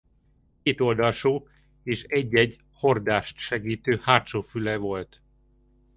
Két oldalsó és egy egy hordást segítő hátsó füle volt.